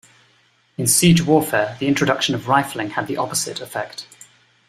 In siege warfare, the introduction of rifling had the opposite effect.